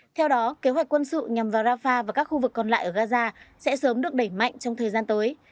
theo đó kế hoạch quân sự nhằm vào rafah và các khu vực còn lại ở gaza sẽ sớm được đẩy mạnh trong thời gian tới